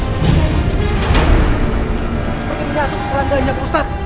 seperti menyatuk kerangganya pak ustadz